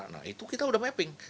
nah itu kita udah mapping